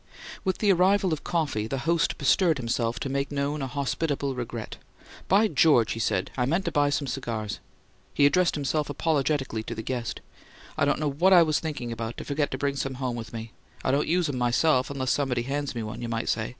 With the arrival of coffee, the host bestirred himself to make known a hospitable regret, "By George!" he said. "I meant to buy some cigars." He addressed himself apologetically to the guest. "I don't know what I was thinking about, to forget to bring some home with me. I don't use 'em myself unless somebody hands me one, you might say.